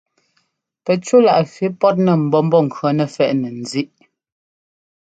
Pɛcúláꞌ fí pɔ́tnɛ mbɔ̌ Mbɔ́ŋkʉɔ́ nɛ fɛ́ꞌnɛ ńzíꞌ.